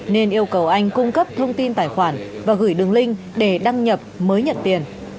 nên yêu cầu anh cung cấp thông tin tài khoản và gửi đường link để đăng nhập mới nhận tiền